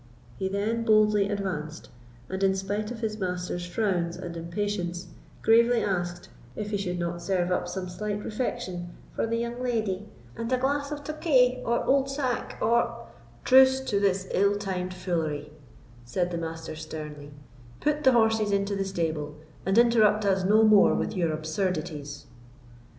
He then boldly advanced, and in spite of his master's frowns and impatience, gravely asked, "If he should not serve up some slight refection for the young leddy, and a glass of tokay, or old sack—or——" "Truce to this ill timed foolery," said the Master, sternly; "put the horses into the stable, and interrupt us no more with your absurdities."